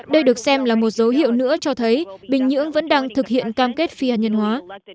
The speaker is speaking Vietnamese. đây được xem là một dấu hiệu nữa cho thấy bình nhưỡng vẫn đang thực hiện cam kết phi hạt nhân hóa